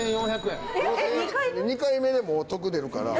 ２回目でもう得出るから。